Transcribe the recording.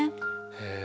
へえ。